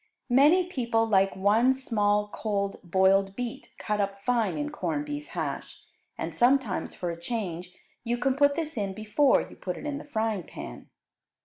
Many people like one small cold boiled beet cut up fine in corned beef hash, and sometimes for a change you can put this in before you put it in the frying pan.